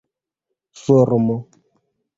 formo